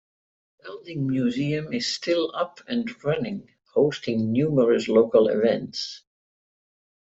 The Belding Museum is still up and running, hosting numerous local events.